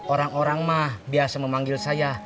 orang orang mah biasa memanggil saya